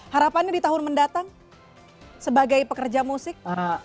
harapannya di tahun mendatang sebagai pekerja musik